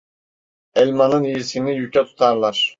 Elmanın iyisini yüke tutarlar.